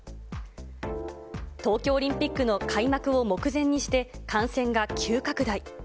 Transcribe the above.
東京オリンピックの開幕を目前にして、感染が急拡大。